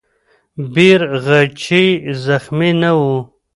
بیرغچی زخمي نه و.